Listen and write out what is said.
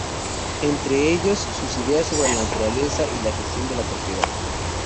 Entre ellos sus ideas sobre la naturaleza y la gestión de la propiedad.